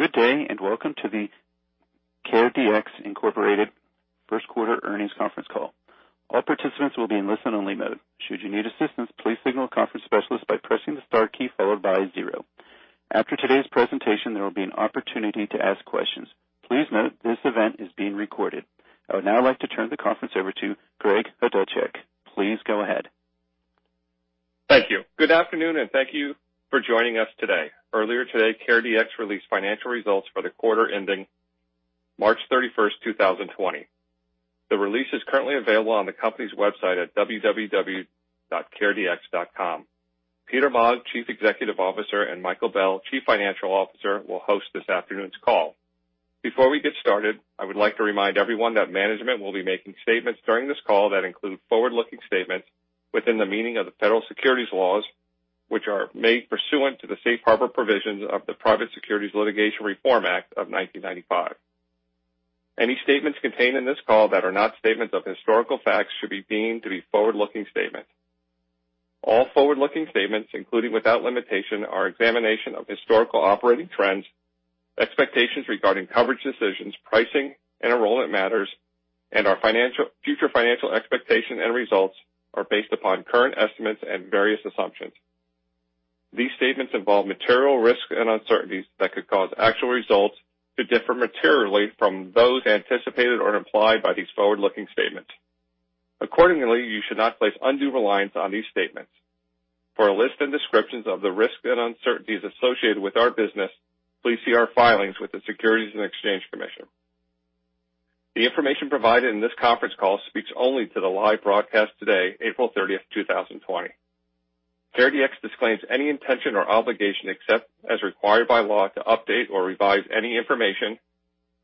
Good day, and welcome to the CareDx, Inc. first quarter earnings conference call. All participants will be in listen-only mode. Should you need assistance, please signal a conference specialist by pressing the star key followed by zero. After today's presentation, there will be an opportunity to ask questions. Please note this event is being recorded. I would now like to turn the conference over to Greg Chodaczek. Please go ahead. Thank you. Good afternoon, and thank you for joining us today. Earlier today, CareDx released financial results for the quarter ending March 31st, 2020. The release is currently available on the company's website at www.caredx.com. Peter Maag, Chief Executive Officer, and Michael Bell, Chief Financial Officer, will host this afternoon's call. Before we get started, I would like to remind everyone that management will be making statements during this call that include forward-looking statements within the meaning of the federal securities laws, which are made pursuant to the safe harbor provisions of the Private Securities Litigation Reform Act of 1995. Any statements contained in this call that are not statements of historical facts should be deemed to be forward-looking statements. All forward-looking statements, including, without limitation, our examination of historical operating trends, expectations regarding coverage decisions, pricing, and enrollment matters, and our future financial expectation and results are based upon current estimates and various assumptions. These statements involve material risks and uncertainties that could cause actual results to differ materially from those anticipated or implied by these forward-looking statements. Accordingly, you should not place undue reliance on these statements. For a list and descriptions of the risks and uncertainties associated with our business, please see our filings with the Securities and Exchange Commission. The information provided in this conference call speaks only to the live broadcast today, April 30th, 2020. CareDx disclaims any intention or obligation, except as required by law, to update or revise any information,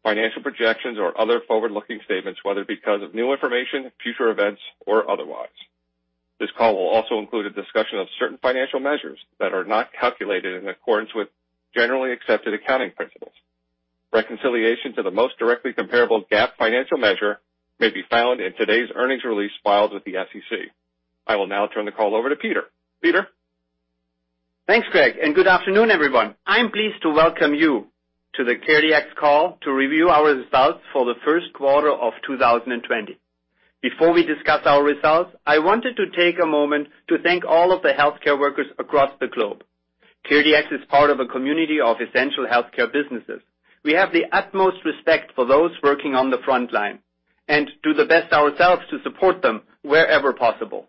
financial projections, or other forward-looking statements, whether because of new information, future events, or otherwise. This call will also include a discussion of certain financial measures that are not calculated in accordance with generally accepted accounting principles. Reconciliation to the most directly comparable GAAP financial measure may be found in today's earnings release filed with the SEC. I will now turn the call over to Peter. Peter? Thanks, Greg. Good afternoon, everyone. I'm pleased to welcome you to the CareDx call to review our results for the first quarter of 2020. Before we discuss our results, I wanted to take a moment to thank all of the healthcare workers across the globe. CareDx is part of a community of essential healthcare businesses. We have the utmost respect for those working on the front line and do the best ourselves to support them wherever possible.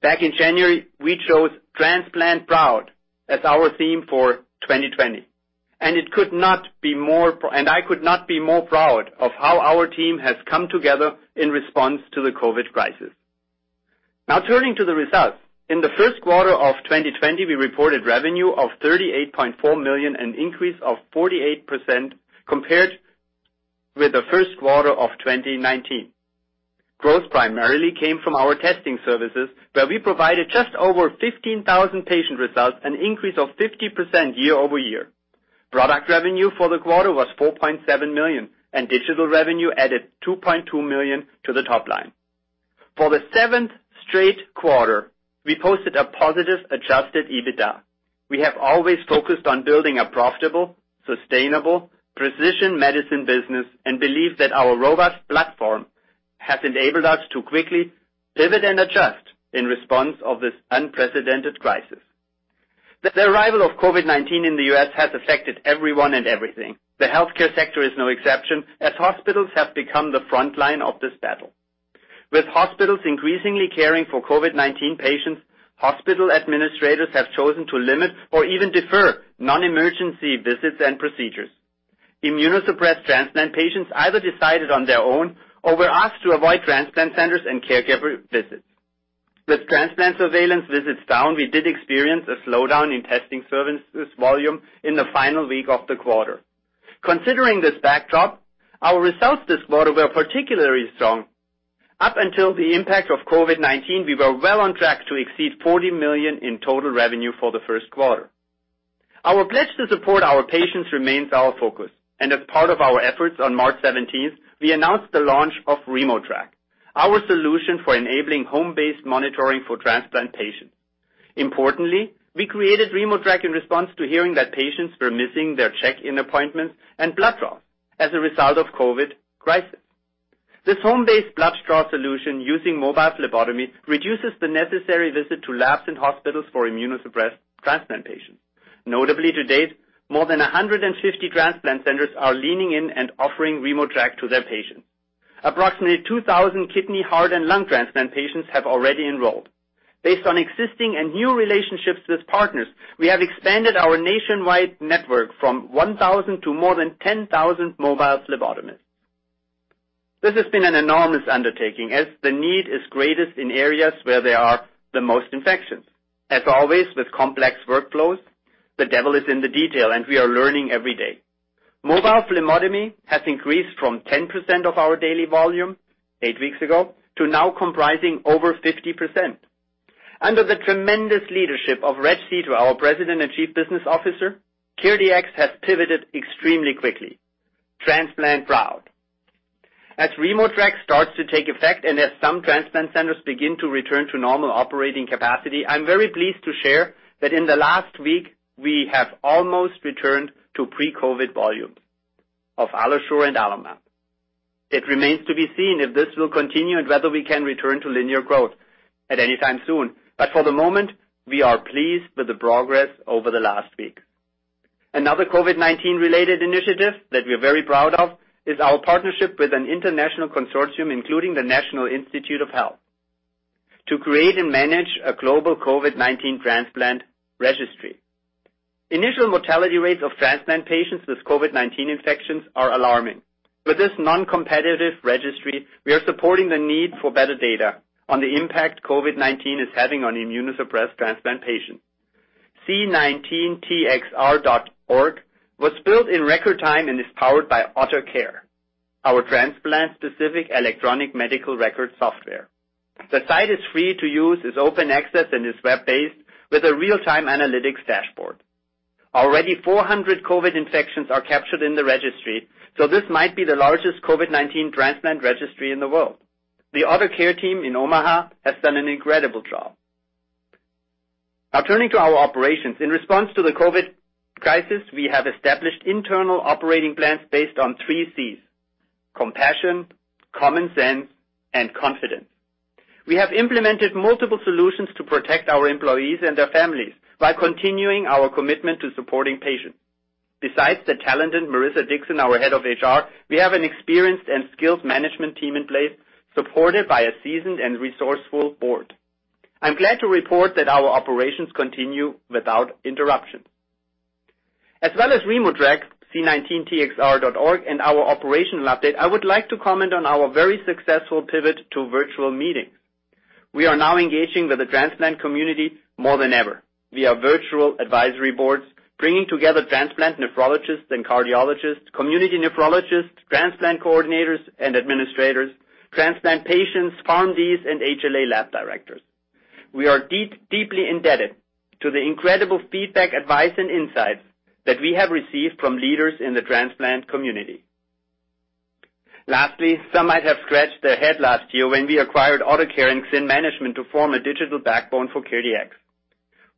Back in January, we chose Transplant Proud as our theme for 2020. I could not be more proud of how our team has come together in response to the COVID crisis. Turning to the results. In the first quarter of 2020, we reported revenue of $38.4 million, an increase of 48% compared with the first quarter of 2019. Growth primarily came from our testing services, where we provided just over 15,000 patient results, an increase of 50% year-over-year. Product revenue for the quarter was $4.7 million, and digital revenue added $2.2 million to the top line. For the seventh straight quarter, we posted a positive adjusted EBITDA. We have always focused on building a profitable, sustainable precision medicine business and believe that our robust platform has enabled us to quickly pivot and adjust in response of this unprecedented crisis. The arrival of COVID-19 in the U.S. has affected everyone and everything. The healthcare sector is no exception, as hospitals have become the front line of this battle. With hospitals increasingly caring for COVID-19 patients, hospital administrators have chosen to limit or even defer non-emergency visits and procedures. Immunosuppressed transplant patients either decided on their own or were asked to avoid transplant centers and caregiver visits. With transplant surveillance visits down, we did experience a slowdown in testing services volume in the final week of the quarter. Considering this backdrop, our results this quarter were particularly strong. Up until the impact of COVID-19, we were well on track to exceed $40 million in total revenue for the first quarter. Our pledge to support our patients remains our focus. As part of our efforts, on March 17th, we announced the launch of RemoTraC, our solution for enabling home-based monitoring for transplant patients. Importantly, we created RemoTraC in response to hearing that patients were missing their check-in appointments and blood draws as a result of COVID-19 crisis. This home-based blood draw solution using mobile phlebotomy reduces the necessary visit to labs and hospitals for immunosuppressed transplant patients. Notably, to date, more than 150 transplant centers are leaning in and offering RemoTraC to their patients. Approximately 2,000 kidney, heart, and lung transplant patients have already enrolled. Based on existing and new relationships with partners, we have expanded our nationwide network from 1,000 to more than 10,000 mobile phlebotomists. This has been an enormous undertaking as the need is greatest in areas where there are the most infections. As always with complex workflows, the devil is in the detail, and we are learning every day. Mobile phlebotomy has increased from 10% of our daily volume eight weeks ago to now comprising over 50%. Under the tremendous leadership of Reg Seeto, our President and Chief Business Officer, CareDx has pivoted extremely quickly. Transplant Proud. As RemoTraC starts to take effect and as some transplant centers begin to return to normal operating capacity, I'm very pleased to share that in the last week, we have almost returned to pre-COVID volumes of AlloSure and AlloMap. It remains to be seen if this will continue and whether we can return to linear growth at any time soon, but for the moment, we are pleased with the progress over the last week. Another COVID-19 related initiative that we're very proud of is our partnership with an international consortium, including the National Institutes of Health, to create and manage a global COVID-19 transplant registry. Initial mortality rates of transplant patients with COVID-19 infections are alarming. With this non-competitive registry, we are supporting the need for better data on the impact COVID-19 is having on immunosuppressed transplant patients. C19TxR.org was built in record time and is powered by OTTR Care, our transplant-specific electronic medical record software. The site is free to use, is open access, and is web-based with a real-time analytics dashboard. Already 400 COVID infections are captured in the registry, this might be the largest COVID-19 transplant registry in the world. The OTTR Care team in Omaha has done an incredible job. Turning to our operations. In response to the COVID crisis, we have established internal operating plans based on 3Cs: compassion, common sense, and confidence. We have implemented multiple solutions to protect our employees and their families while continuing our commitment to supporting patients. Besides the talented Marissa Dixon, our head of HR, we have an experienced and skilled management team in place, supported by a seasoned and resourceful board. I'm glad to report that our operations continue without interruption. As well as RemoTraC, C19TxR.org, and our operational update, I would like to comment on our very successful pivot to virtual meetings. We are now engaging with the transplant community more than ever via virtual advisory boards, bringing together transplant nephrologists and cardiologists, community nephrologists, transplant coordinators and administrators, transplant patients, pharmacies, and HLA lab directors. We are deeply indebted to the incredible feedback, advice, and insights that we have received from leaders in the transplant community. Lastly, some might have scratched their head last year when we acquired OTTR Care and XynManagement to form a digital backbone for CareDx.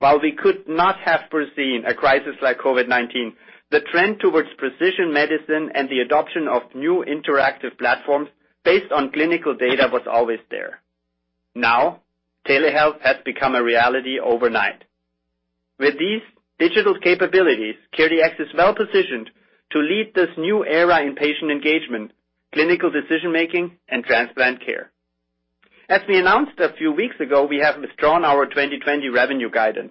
While we could not have foreseen a crisis like COVID-19, the trend towards precision medicine and the adoption of new interactive platforms based on clinical data was always there. Now, telehealth has become a reality overnight. With these digital capabilities, CareDx is well-positioned to lead this new era in patient engagement, clinical decision-making, and transplant care. As we announced a few weeks ago, we have withdrawn our 2020 revenue guidance.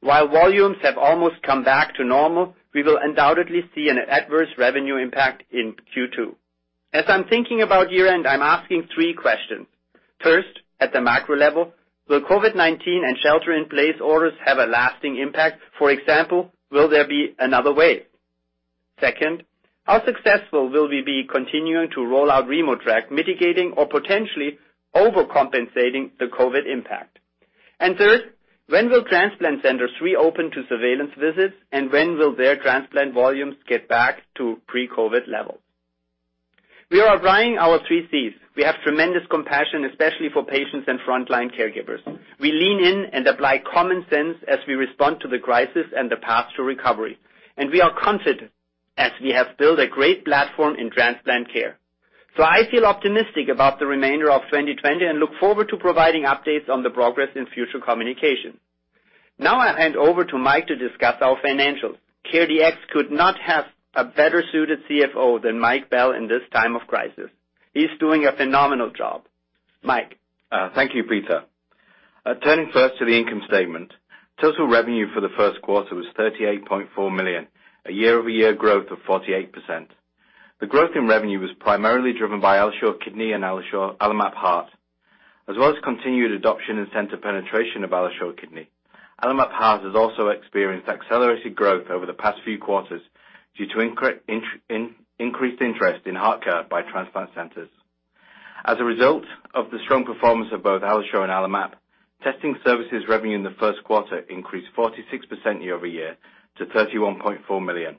While volumes have almost come back to normal, we will undoubtedly see an adverse revenue impact in Q2. As I'm thinking about year-end, I'm asking three questions. First, at the macro level, will COVID-19 and shelter-in-place orders have a lasting impact? For example, will there be another wave? Second, how successful will we be continuing to roll out RemoTraC, mitigating or potentially overcompensating the COVID impact? Third, when will transplant centers reopen to surveillance visits, and when will their transplant volumes get back to pre-COVID levels? We are applying our 3Cs. We have tremendous compassion, especially for patients and frontline caregivers. We lean in and apply common sense as we respond to the crisis and the path to recovery. We are confident as we have built a great platform in transplant care. I feel optimistic about the remainder of 2020 and look forward to providing updates on the progress in future communication. Now I hand over to Mike to discuss our financials. CareDx could not have a better-suited CFO than Mike Bell in this time of crisis. He's doing a phenomenal job. Mike. Thank you, Peter. Turning first to the income statement. Total revenue for the first quarter was $38.4 million, a year-over-year growth of 48%. The growth in revenue was primarily driven by AlloSure Kidney and AlloMap Heart, as well as continued adoption and center penetration of AlloSure Kidney. AlloMap Heart has also experienced accelerated growth over the past few quarters due to increased interest in HeartCare by transplant centers. As a result of the strong performance of both AlloSure and AlloMap, testing services revenue in the first quarter increased 46% year-over-year to $31.4 million.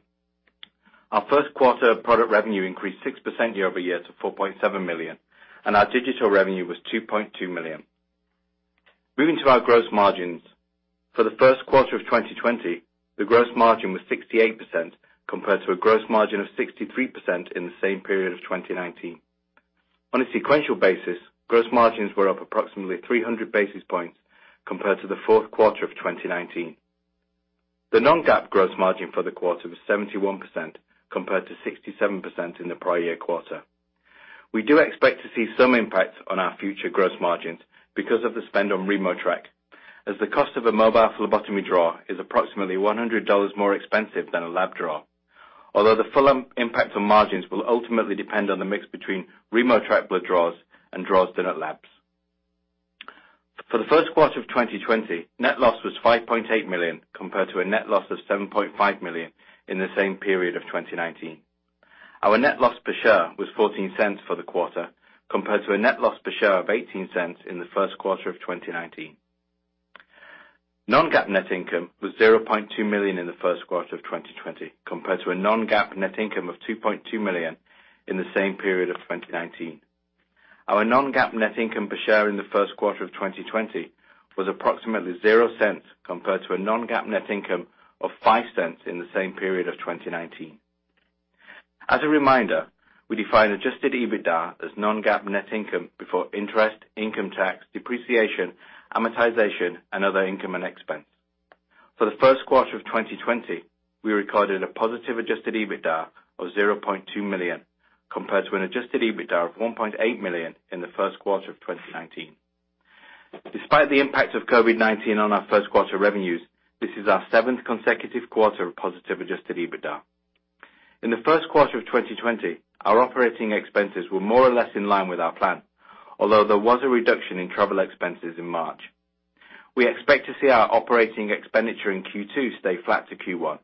Our first quarter product revenue increased 6% year-over-year to $4.7 million, and our digital revenue was $2.2 million. Moving to our gross margins. For the first quarter of 2020, the gross margin was 68%, compared to a gross margin of 63% in the same period of 2019. On a sequential basis, gross margins were up approximately 300 basis points compared to the fourth quarter of 2019. The non-GAAP gross margin for the quarter was 71%, compared to 67% in the prior year quarter. We do expect to see some impact on our future gross margins because of the spend on RemoTraC, as the cost of a mobile phlebotomy draw is approximately $100 more expensive than a lab draw. Although the full impact on margins will ultimately depend on the mix between RemoTraC blood draws and draws done at labs. For the first quarter of 2020, net loss was $5.8 million, compared to a net loss of $7.5 million in the same period of 2019. Our net loss per share was $0.14 for the quarter, compared to a net loss per share of $0.18 in the first quarter of 2019. Non-GAAP net income was $0.2 million in the first quarter of 2020, compared to a non-GAAP net income of $2.2 million in the same period of 2019. Our non-GAAP net income per share in the first quarter of 2020 was approximately $0.00, compared to a non-GAAP net income of $0.05 in the same period of 2019. As a reminder, we define adjusted EBITDA as non-GAAP net income before interest, income tax, depreciation, amortization and other income and expense. For the first quarter of 2020, we recorded a positive adjusted EBITDA of $0.2 million, compared to an adjusted EBITDA of $1.8 million in the first quarter of 2019. Despite the impact of COVID-19 on our first quarter revenues, this is our seventh consecutive quarter of positive adjusted EBITDA. In the first quarter of 2020, our operating expenses were more or less in line with our plan, although there was a reduction in travel expenses in March. We expect to see our operating expenditure in Q2 stay flat to Q1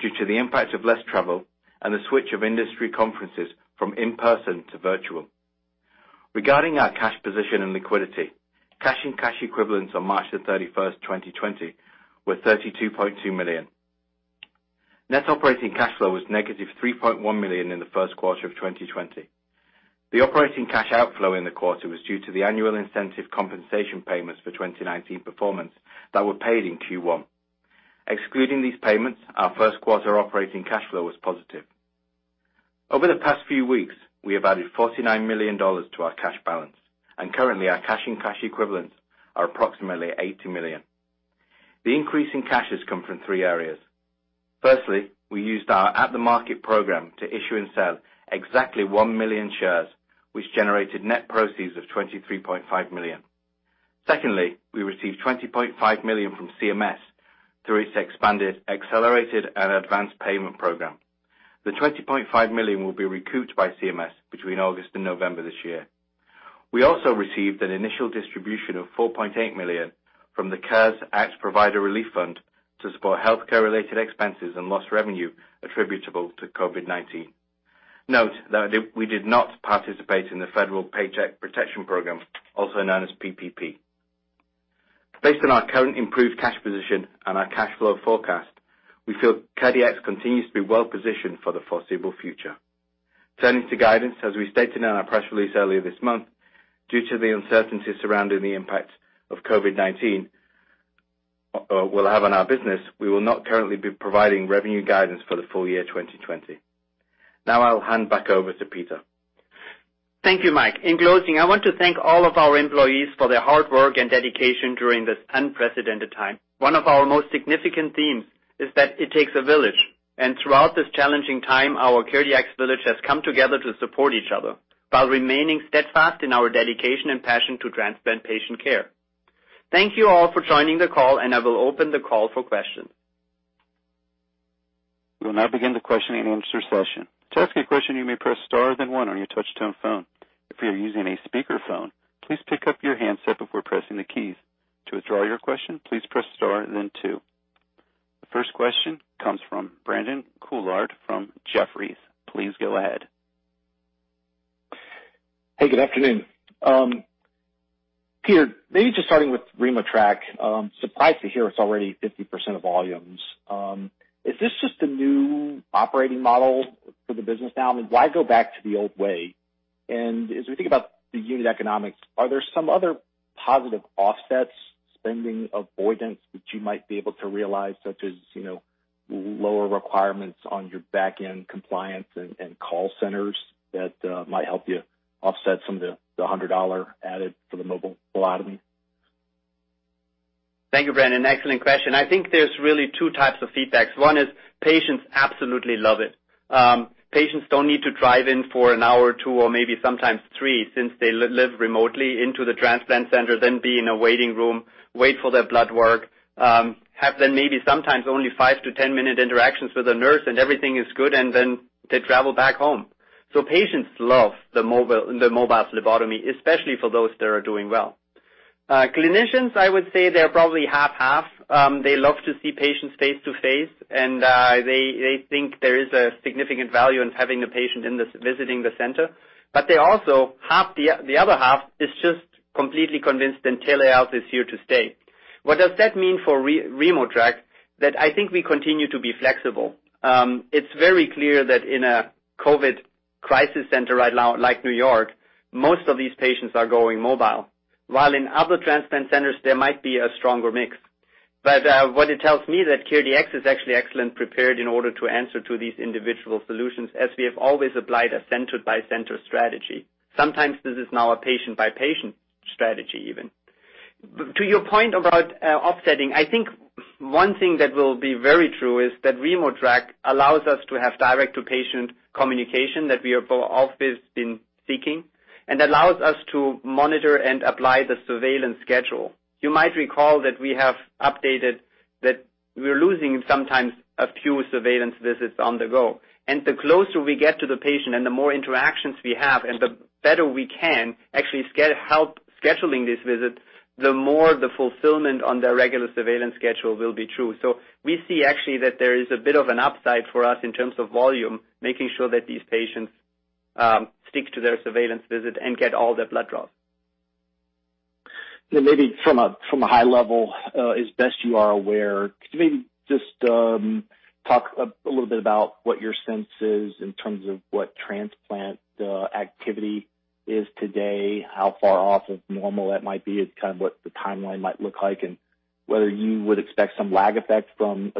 due to the impact of less travel and the switch of industry conferences from in-person to virtual. Regarding our cash position and liquidity, cash and cash equivalents on March 31st, 2020, were $32.2 million. Net operating cash flow was negative $3.1 million in the first quarter of 2020. The operating cash outflow in the quarter was due to the annual incentive compensation payments for 2019 performance that were paid in Q1. Excluding these payments, our first quarter operating cash flow was positive. Over the past few weeks, we have added $49 million to our cash balance, and currently our cash and cash equivalents are approximately $80 million. The increase in cash has come from three areas. Firstly, we used our at-the-market program to issue and sell exactly 1 million shares, which generated net proceeds of $23.5 million. Secondly, we received $20.5 million from CMS through its expanded, accelerated and advanced payment program. The $20.5 million will be recouped by CMS between August and November this year. We also received an initial distribution of $4.8 million from the CARES Act Provider Relief Fund to support healthcare-related expenses and lost revenue attributable to COVID-19. Note that we did not participate in the Federal Paycheck Protection Program, also known as PPP. Based on our current improved cash position and our cash flow forecast, we feel CareDx continues to be well-positioned for the foreseeable future. Turning to guidance, as we stated in our press release earlier this month, due to the uncertainty surrounding the impact of COVID-19 will have on our business, we will not currently be providing revenue guidance for the full year 2020. Now I'll hand back over to Peter. Thank you, Mike. In closing, I want to thank all of our employees for their hard work and dedication during this unprecedented time. One of our most significant themes is that it takes a village, and throughout this challenging time, our CareDx village has come together to support each other while remaining steadfast in our dedication and passion to transplant patient care. Thank you all for joining the call, and I will open the call for questions. We'll now begin the question-and-answer session. To ask a question, you may press star, then one on your touch tone phone. If you're using a speaker phone, please pick up your handset before pressing the keys. To withdraw your question, please press star and then two. The first question comes from Brandon Couillard from Jefferies. Please go ahead. Hey, good afternoon. Peter, maybe just starting with RemoTraC. Surprised to hear it's already 50% of volumes. Is this just a new operating model for the business now? Why go back to the old way? As we think about the unit economics, are there some other positive offsets, spending avoidance that you might be able to realize, such as lower requirements on your back end compliance and call centers that might help you offset some of the $100 added for the mobile phlebotomy? Thank you, Brandon. Excellent question. I think there's really two types of feedbacks. One is patients absolutely love it. Patients don't need to drive in for an hour or two or maybe sometimes three, since they live remotely into the transplant center, then be in a waiting room, wait for their blood work, have then maybe sometimes only five to 10 minute interactions with a nurse and everything is good, and then they travel back home. Patients love the mobile phlebotomy, especially for those that are doing well. Clinicians, I would say they're probably half-half. They love to see patients face-to-face, and they think there is a significant value in having the patient visiting the center. The other half is just completely convinced and telehealth is here to stay. What does that mean for RemoTraC? That I think we continue to be flexible. It's very clear that in a COVID-19 crisis center right now, like New York, most of these patients are going mobile. While in other transplant centers, there might be a stronger mix. What it tells me that CareDx is actually excellent prepared in order to answer to these individual solutions as we have always applied a center-by-center strategy. Sometimes this is now a patient-by-patient strategy even. To your point about offsetting, I think one thing that will be very true is that RemoTraC allows us to have direct-to-patient communication that we have always been seeking and allows us to monitor and apply the surveillance schedule. You might recall that we have updated that we're losing sometimes a few surveillance visits on the go. The closer we get to the patient and the more interactions we have and the better we can actually help scheduling this visit, the more the fulfillment on the regular surveillance schedule will be true. We see actually that there is a bit of an upside for us in terms of volume, making sure that these patients stick to their surveillance visit and get all their blood draws. Maybe from a high level, as best you are aware, could you maybe just talk a little bit about what your sense is in terms of what transplant activity is today, how far off of normal that might be as what the timeline might look like, and whether you would expect some lag effects from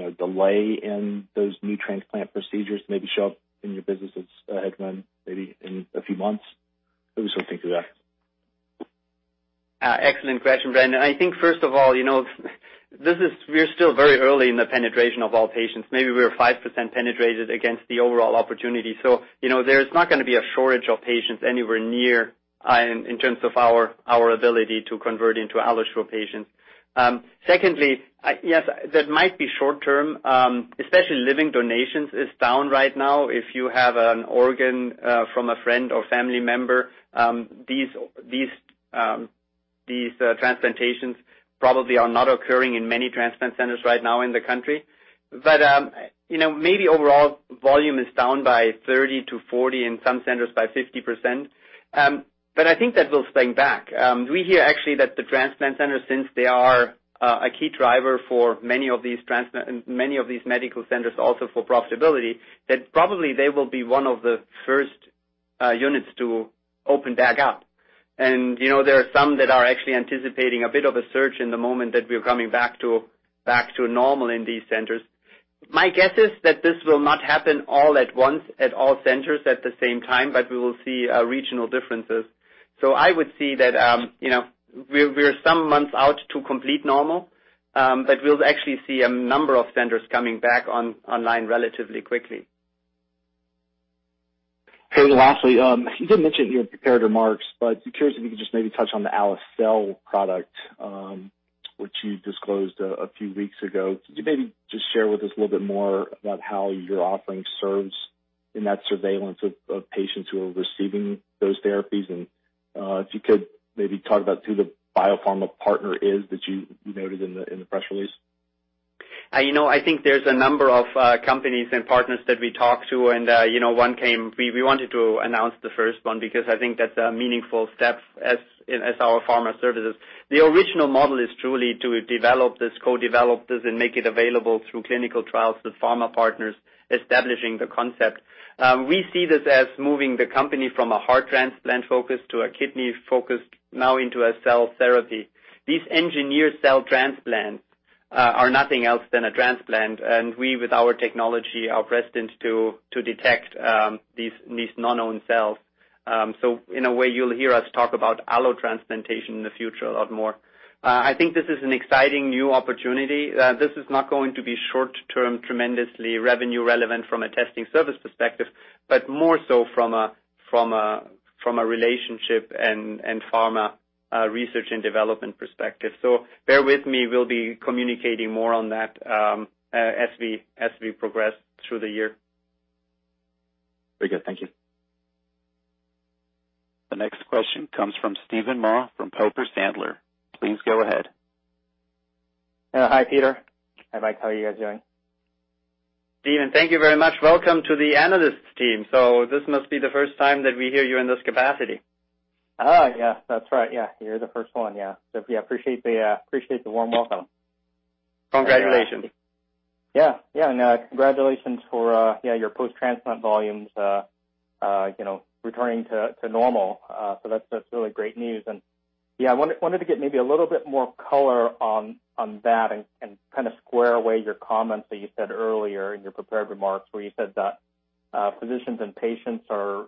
a delay in those new transplant procedures maybe show up in your business' headwind maybe in a few months? Maybe something to that. Excellent question, Brandon. I think first of all, we're still very early in the penetration of all patients. Maybe we're 5% penetrated against the overall opportunity. There's not going to be a shortage of patients anywhere near in terms of our ability to convert into AlloSure patients. Secondly, yes, that might be short-term, especially living donations is down right now. If you have an organ from a friend or family member, these transplantations probably are not occurring in many transplant centers right now in the country. Maybe overall volume is down by 30%-40%, in some centers by 50%. I think that will spring back. We hear actually that the transplant centers, since they are a key driver for many of these medical centers also for profitability, that probably they will be one of the first units to open back up. There are some that are actually anticipating a bit of a surge in the moment that we're coming back to normal in these centers. My guess is that this will not happen all at once at all centers at the same time, but we will see regional differences. I would see that we're some months out to complete normal, but we'll actually see a number of centers coming back online relatively quickly. Okay. Lastly, you did mention your prepared remarks, I'm curious if you could just maybe touch on the AlloSeq product, which you disclosed a few weeks ago. Could you maybe just share with us a little bit more about how your offering serves in that surveillance of patients who are receiving those therapies? If you could maybe talk about who the biopharma partner is that you noted in the press release. I think there's a number of companies and partners that we talk to. We wanted to announce the first one because I think that's a meaningful step as our pharma services. The original model is truly to develop this, co-develop this, and make it available through clinical trials with pharma partners establishing the concept. We see this as moving the company from a heart transplant focus to a kidney focus now into a cell therapy. These engineered cell transplants are nothing else than a transplant, and we, with our technology, are predestined to detect these non-own cells. In a way, you'll hear us talk about allotransplantation in the future a lot more. I think this is an exciting new opportunity. This is not going to be short-term, tremendously revenue relevant from a testing service perspective, but more so from a relationship and pharma research and development perspective. Bear with me. We'll be communicating more on that as we progress through the year. Very good. Thank you. The next question comes from Steven Mah from Piper Sandler. Please go ahead. Hi, Peter. Hi, Mike. How you guys doing? Steven, thank you very much. Welcome to the analyst team. This must be the first time that we hear you in this capacity. Yeah, that's right. Yeah. You're the first one, yeah. Yeah, appreciate the warm welcome. Congratulations. Yeah. Congratulations for your post-transplant volumes returning to normal. That's really great news. Yeah, I wanted to get maybe a little bit more color on that and square away your comments that you said earlier in your prepared remarks where you said that physicians and patients are,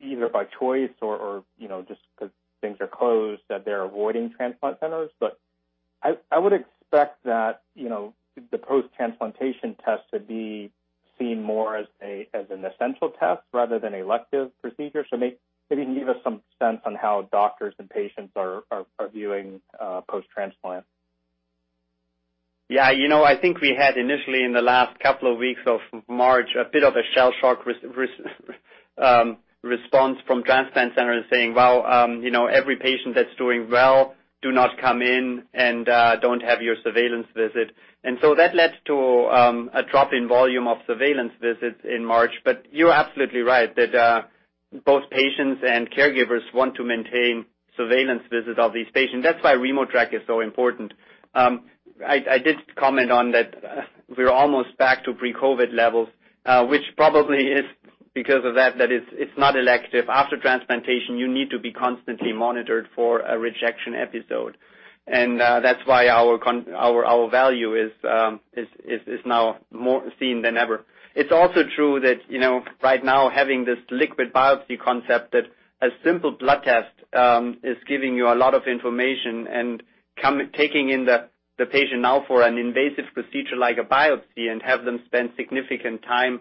either by choice or just because things are closed, that they're avoiding transplant centers. I would expect that the post-transplantation test to be seen more as an essential test rather than elective procedure. Maybe you can give us some sense on how doctors and patients are viewing post-transplant? Yeah, I think we had initially in the last couple of weeks of March, a bit of a shell shock response from transplant centers saying, "Well, every patient that's doing well, do not come in and don't have your surveillance visit." That led to a drop in volume of surveillance visits in March. You're absolutely right, that both patients and caregivers want to maintain surveillance visits of these patients. That's why RemoTraC is so important. I did comment on that we're almost back to pre-COVID levels, which probably is because of that it's not elective. After transplantation, you need to be constantly monitored for a rejection episode. That's why our value is now more seen than ever. It's also true that right now having this liquid biopsy concept that a simple blood test is giving you a lot of information and taking in the patient now for an invasive procedure like a biopsy and have them spend significant time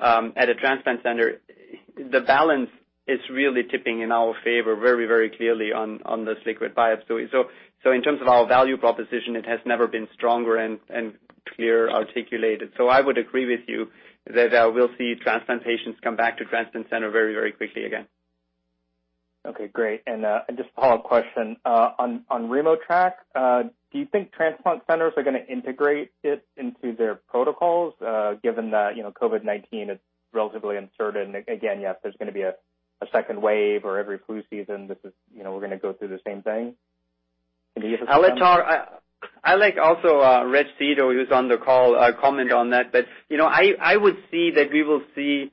at a transplant center, the balance is really tipping in our favor very clearly on this liquid biopsy. In terms of our value proposition, it has never been stronger and clearly articulated. I would agree with you that we'll see transplant patients come back to transplant center very quickly again. Okay, great. Just a follow-up question. On RemoTraC, do you think transplant centers are going to integrate it into their protocols, given that COVID-19 is relatively uncertain? Again, yes, there's going to be a second wave, or every flu season, we're going to go through the same thing. Can you address that? I'll let, also Reg Seeto, who's on the call, comment on that. I would see that we will see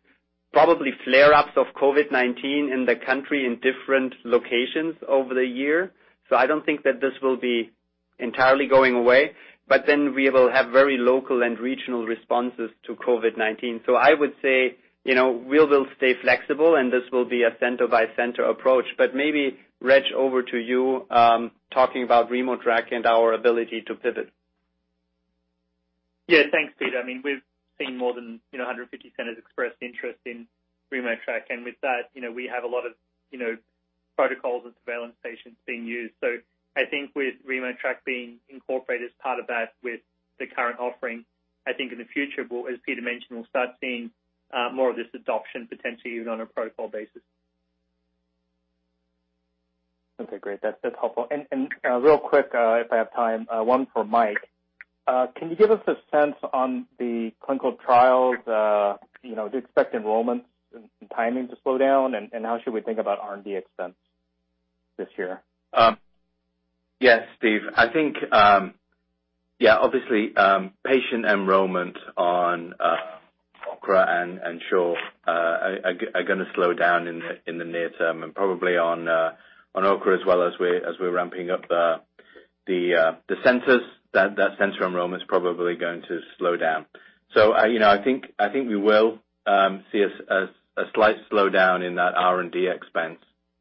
probably flare-ups of COVID-19 in the country in different locations over the year. I don't think that this will be entirely going away. We will have very local and regional responses to COVID-19. I would say, we will stay flexible, and this will be a center-by-center approach. Maybe, Reg, over to you, talking about RemoTraC and our ability to pivot. Yeah. Thanks, Peter. We've seen more than 150 centers express interest in RemoTraC. With that, we have a lot of protocols and surveillance patients being used. I think with RemoTraC being incorporated as part of that with the current offering, I think in the future, as Peter mentioned, we'll start seeing more of this adoption potentially even on a protocol basis. Okay, great. That's helpful. Real quick, if I have time, one for Mike. Can you give us a sense on the clinical trials? Do you expect enrollments and timing to slow down? How should we think about R&D expense this year? Yes, Steve. I think, obviously, patient enrollment on OKRA and SHORE are going to slow down in the near term, and probably on OKRA as well as we're ramping up the centers, that center enrollment is probably going to slow down. I think we will see a slight slowdown in that R&D expense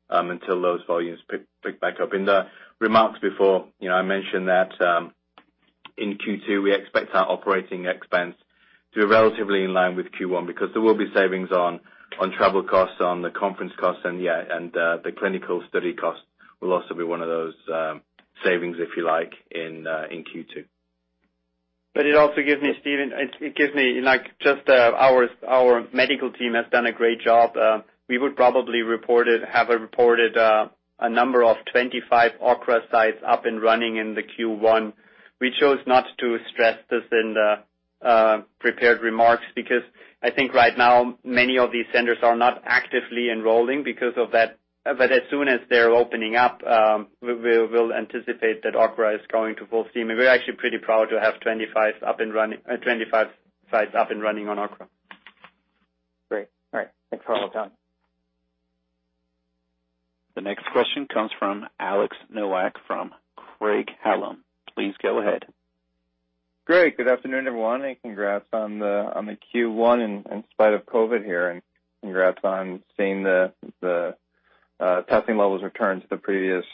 until those volumes pick back up. In the remarks before, I mentioned that in Q2, we expect our operating expense to be relatively in line with Q1 because there will be savings on travel costs, on the conference costs, and the clinical study costs will also be one of those savings, if you like, in Q2. It also gives me, Steven, just our medical team has done a great job. We would probably have reported a number of 25 OKRA sites up and running in the Q1. We chose not to stress this in the prepared remarks because I think right now, many of these centers are not actively enrolling because of that. As soon as they're opening up, we'll anticipate that OKRA is going to full steam. We're actually pretty proud to have 25 sites up and running on OKRA. Great. All right. Thanks for all the time. The next question comes from Alex Nowak from Craig-Hallum. Please go ahead. Great. Good afternoon, everyone, and congrats on the Q1 in spite of COVID here, and congrats on seeing the testing levels return to the previous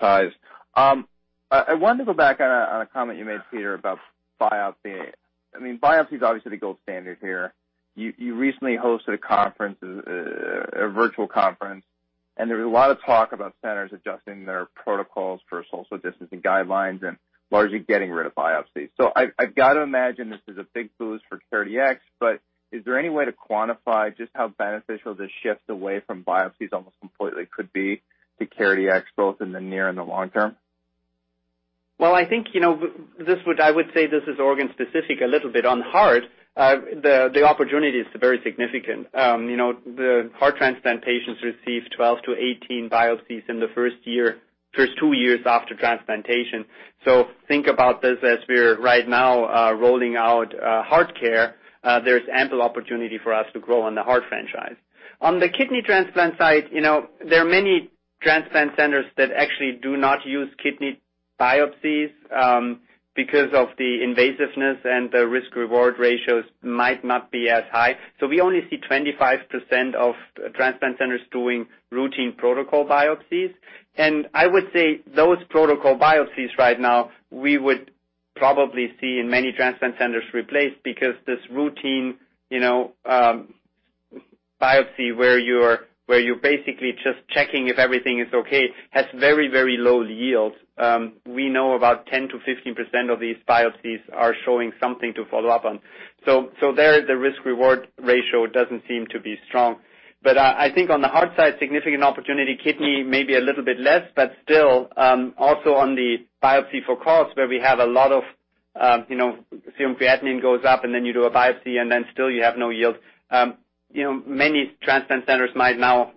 highs. I wanted to go back on a comment you made, Peter, about biopsy. Biopsy is obviously the gold standard here. You recently hosted a virtual conference, and there was a lot of talk about centers adjusting their protocols for social distancing guidelines and largely getting rid of biopsies. I've got to imagine this is a big boost for CareDx, but is there any way to quantify just how beneficial this shift away from biopsies almost completely could be to CareDx, both in the near and the long term? Well, I think, I would say this is organ specific a little bit. On heart, the opportunity is very significant. The heart transplant patients receive 12 to 18 biopsies in the first two years after transplantation. Think about this as we're right now rolling out HeartCare, there's ample opportunity for us to grow on the heart franchise. On the kidney transplant side, there are many transplant centers that actually do not use kidney biopsies because of the invasiveness and the risk/reward ratios might not be as high. We only see 25% of transplant centers doing routine protocol biopsies. I would say those protocol biopsies right now, we would probably see in many transplant centers replaced because this routine biopsy where you're basically just checking if everything is okay, has very, very low yields. We know about 10%-15% of these biopsies are showing something to follow up on. There, the risk/reward ratio doesn't seem to be strong. I think on the heart side, significant opportunity, kidney, maybe a little bit less, but still, also on the biopsy for cause, where we have a lot of serum creatinine goes up and then you do a biopsy and then still you have no yield. Many transplant centers might now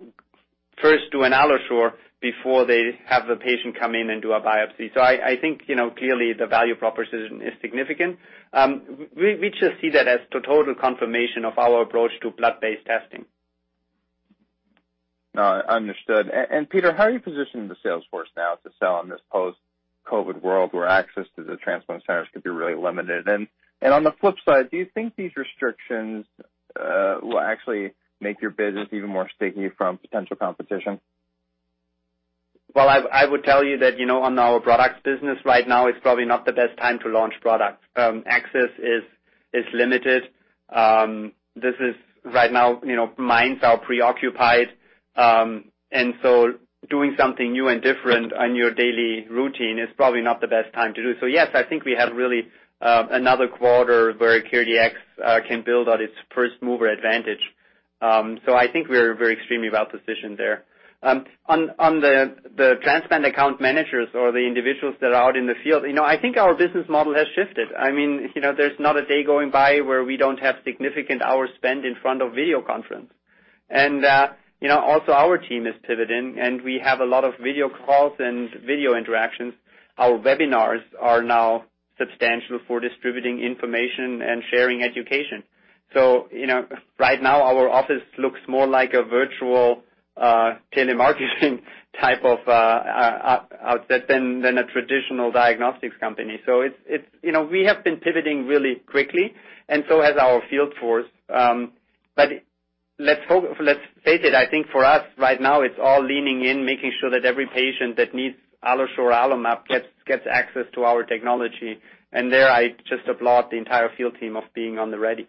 first do an AlloSure before they have the patient come in and do a biopsy. I think, clearly the value proposition is significant. We just see that as total confirmation of our approach to blood-based testing. Understood. Peter, how are you positioning the sales force now to sell in this post-COVID world where access to the transplant centers could be really limited? On the flip side, do you think these restrictions will actually make your business even more sticky from potential competition? Well, I would tell you that on our products business right now, it's probably not the best time to launch products. Access is limited. This is right now, minds are preoccupied. Doing something new and different on your daily routine is probably not the best time to do. Yes, I think we have really another quarter where CareDx can build on its first-mover advantage. I think we're very extremely well-positioned there. On the transplant account managers or the individuals that are out in the field, I think our business model has shifted. There's not a day going by where we don't have significant hours spent in front of video conference. Also our team is pivoting, and we have a lot of video calls and video interactions. Our webinars are now substantial for distributing information and sharing education. Right now our office looks more like a virtual telemarketing type of outset than a traditional diagnostics company. We have been pivoting really quickly and so has our field force. Let's face it, I think for us right now, it's all leaning in, making sure that every patient that needs AlloSure or AlloMap gets access to our technology. There I just applaud the entire field team of being on the ready.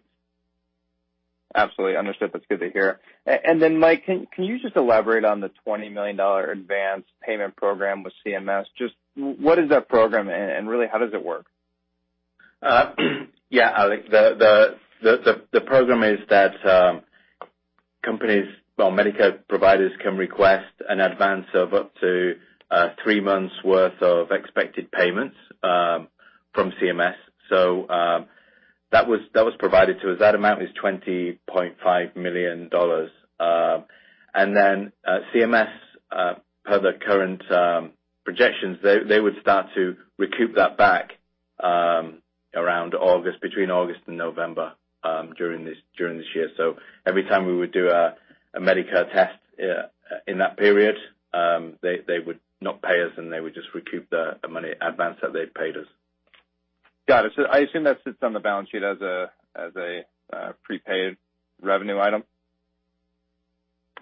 Absolutely. Understood. That's good to hear. Mike, can you just elaborate on the $20 million advance payment program with CMS? Just what is that program and really how does it work? Yeah, Alex. The program is that companies, well, Medicare providers can request an advance of up to three months' worth of expected payments from CMS. That was provided to us. That amount is $20.5 million. CMS, per the current projections, they would start to recoup that back around August, between August and November, during this year. Every time we would do a Medicare test in that period, they would not pay us, and they would just recoup the money advance that they've paid us. Got it. I assume that sits on the balance sheet as a prepaid revenue item.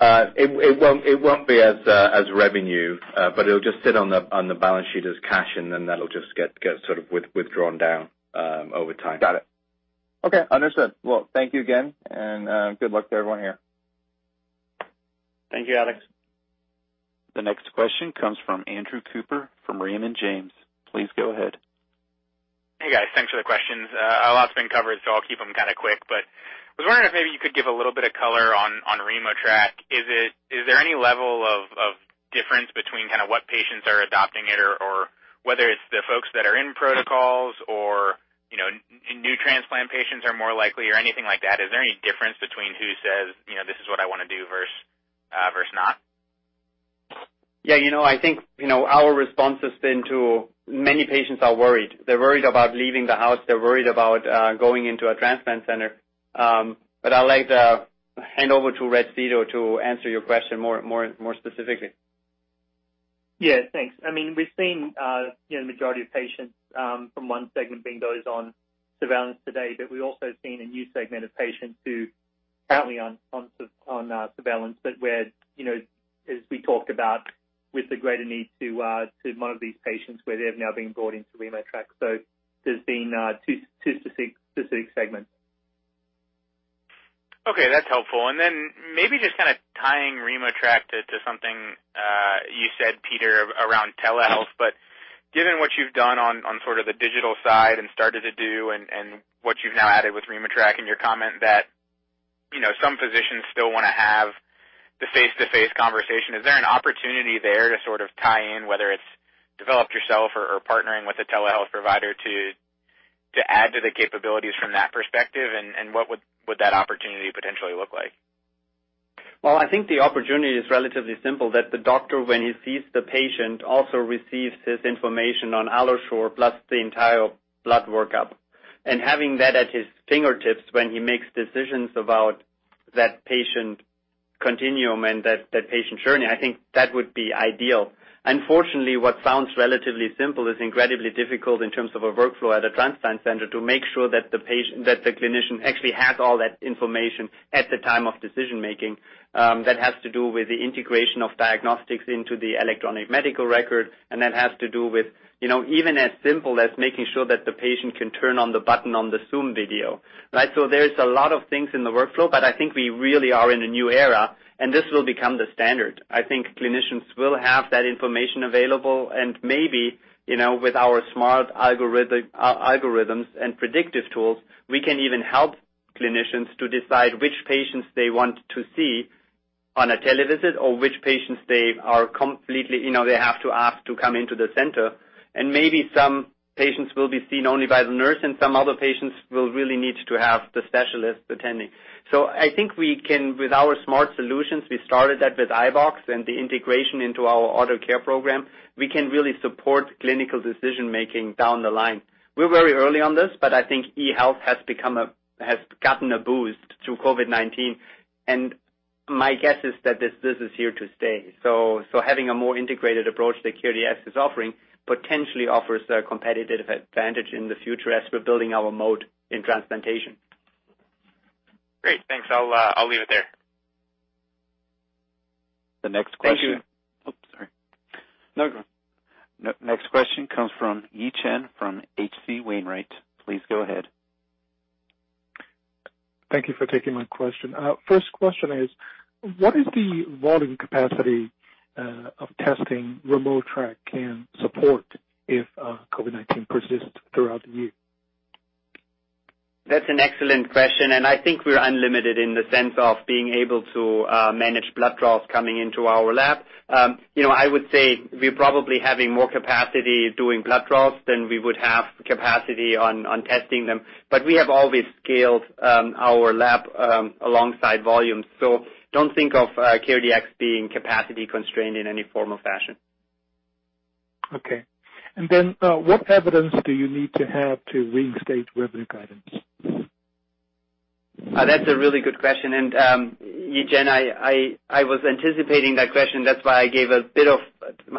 It won't be as revenue, but it'll just sit on the balance sheet as cash, and then that'll just get sort of withdrawn down over time. Got it. Okay, understood. Well, thank you again. Good luck to everyone here. Thank you, Alex. The next question comes from Andrew Cooper from Raymond James. Please go ahead. Hey, guys. Thanks for the questions. A lot's been covered, so I'll keep them kind of quick. I was wondering if maybe you could give a little bit of color on RemoTraC. Is there any level of difference between what patients are adopting it or whether it's the folks that are in protocols or new transplant patients are more likely or anything like that? Is there any difference between who says, "This is what I want to do," versus not? Yeah. I think, our response has been to many patients are worried. They're worried about leaving the house. They're worried about going into a transplant center. I'd like to hand over to Reginald Seeto to answer your question more specifically. Yeah, thanks. We've seen the majority of patients from one segment being those on surveillance today, but we've also seen a new segment of patients who currently are on surveillance, but where, as we talked about, with the greater need to monitor these patients where they have now been brought into RemoTraC. There's been two specific segments. Okay, that's helpful. Then maybe just kind of tying RemoTraC to something you said, Peter, around telehealth. Given what you've done on sort of the digital side and started to do and what you've now added with RemoTraC and your comment that some physicians still want to have the face-to-face conversation, is there an opportunity there to sort of tie in, whether it's developed yourself or partnering with a telehealth provider to add to the capabilities from that perspective? What would that opportunity potentially look like? Well, I think the opportunity is relatively simple that the doctor, when he sees the patient, also receives his information on AlloSure plus the entire blood workup. Having that at his fingertips when he makes decisions about that patient continuum and that patient journey, I think that would be ideal. Unfortunately, what sounds relatively simple is incredibly difficult in terms of a workflow at a transplant center to make sure that the clinician actually has all that information at the time of decision-making. That has to do with the integration of diagnostics into the electronic medical record. That has to do with even as simple as making sure that the patient can turn on the button on the Zoom video, right? There's a lot of things in the workflow. I think we really are in a new era. This will become the standard. I think clinicians will have that information available, and maybe, with our smart algorithms and predictive tools, we can even help clinicians to decide which patients they want to see on a televisit or which patients they have to ask to come into the center. Maybe some patients will be seen only by the nurse, and some other patients will really need to have the specialist attending. I think we can, with our smart solutions, we started that with iBox and the integration into our AlloCare program. We can really support clinical decision-making down the line. We're very early on this, but I think eHealth has gotten a boost through COVID-19, and my guess is that this is here to stay. Having a more integrated approach that CareDx is offering potentially offers a competitive advantage in the future as we're building our mode in transplantation. Great. Thanks. I'll leave it there. The next question- Thank you. Oh, sorry. No. Next question comes from Yi Chen from HC Wainwright. Please go ahead. Thank you for taking my question. First question is, what is the volume capacity of testing RemoTraC can support if COVID-19 persists throughout the year? That's an excellent question, and I think we're unlimited in the sense of being able to manage blood draws coming into our lab. I would say we probably have more capacity doing blood draws than we would have capacity on testing them. We have always scaled our lab alongside volume. Don't think of CareDx being capacity-constrained in any form or fashion. Okay. What evidence do you need to have to reinstate revenue guidance? That's a really good question. Yi Chen, I was anticipating that question. That's why I gave a bit of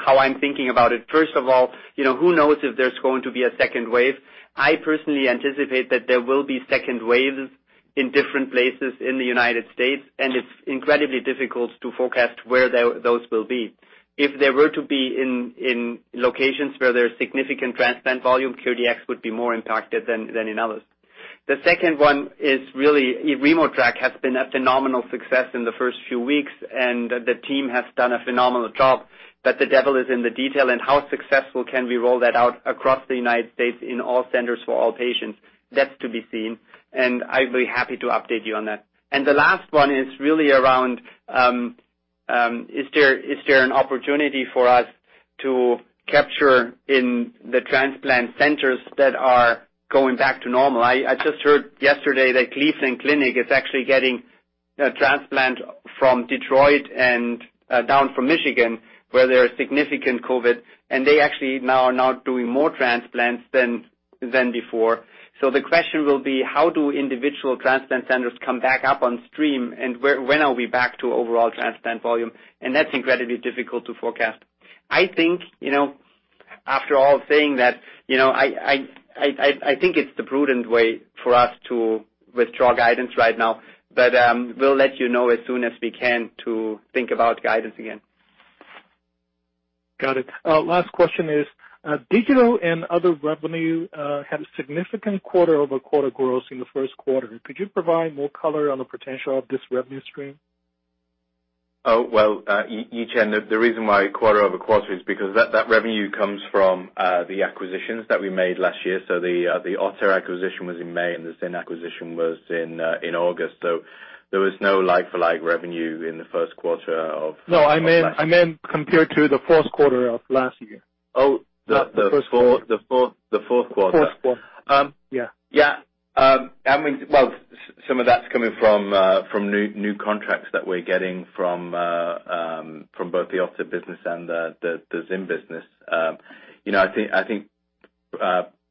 how I'm thinking about it. First of all, who knows if there's going to be a second wave? I personally anticipate that there will be second waves in different places in the United States, and it's incredibly difficult to forecast where those will be. If they were to be in locations where there's significant transplant volume, CareDx would be more impacted than in others. The second one is really RemoTraC has been a phenomenal success in the first few weeks, and the team has done a phenomenal job. The devil is in the detail and how successful can we roll that out across the United States in all centers for all patients? That's to be seen, and I'd be happy to update you on that. The last one is really around, is there an opportunity for us to capture in the transplant centers that are going back to normal? I just heard yesterday that Cleveland Clinic is actually getting a transplant from Detroit and down from Michigan, where there is significant COVID, and they actually are now doing more transplants than before. The question will be, how do individual transplant centers come back up on stream, and when are we back to overall transplant volume? That's incredibly difficult to forecast. I think, after all saying that, I think it's the prudent way for us to withdraw guidance right now. We'll let you know as soon as we can to think about guidance again. Got it. Last question is, digital and other revenue had a significant quarter-over-quarter growth in the first quarter. Could you provide more color on the potential of this revenue stream? Well, Yi Chen, the reason why quarter-over-quarter is because that revenue comes from the acquisitions that we made last year. The OTTR acquisition was in May, and the XynManagement acquisition was in August. There was no like-for-like revenue in the first quarter. No, I meant compared to the fourth quarter of last year. Oh, the fourth quarter. Fourth quarter. Yeah. Yeah. Well, some of that's coming from new contracts that we're getting from both the OTTR business and the Xyn business. I think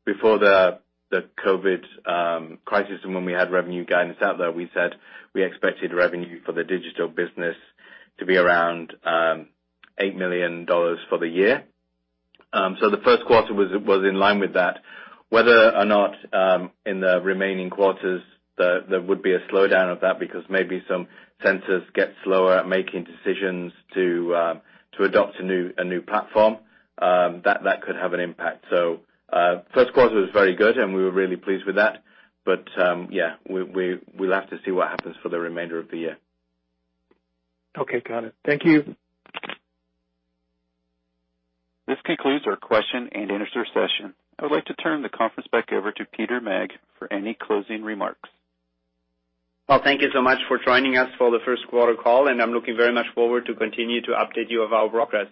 before the COVID crisis and when we had revenue guidance out there, we said we expected revenue for the digital business to be around $8 million for the year. The first quarter was in line with that. Whether or not in the remaining quarters there would be a slowdown of that because maybe some centers get slower at making decisions to adopt a new platform, that could have an impact. First quarter was very good, and we were really pleased with that. Yeah, we'll have to see what happens for the remainder of the year. Okay, got it. Thank you. This concludes our question and answer session. I would like to turn the conference back over to Peter Maag for any closing remarks. Well, thank you so much for joining us for the first quarter call, and I'm looking very much forward to continue to update you of our progress.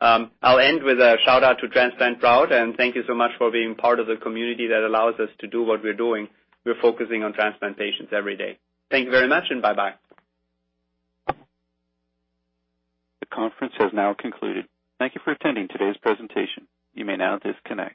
I'll end with a shout-out to Transplant Proud, and thank you so much for being part of the community that allows us to do what we're doing. We're focusing on transplant patients every day. Thank you very much, and bye-bye. The conference has now concluded. Thank you for attending today's presentation. You may now disconnect.